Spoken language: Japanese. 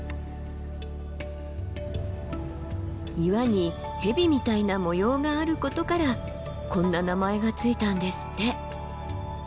岩に蛇みたいな模様があることからこんな名前が付いたんですって。